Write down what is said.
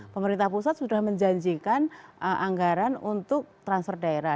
pemerintah pusat sudah menjanjikan anggaran untuk transfer daerah